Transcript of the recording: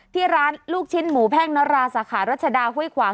ที่ร้านลูกชิ้นหมูแพ่งนราสาขารัชดาห้วยขวาง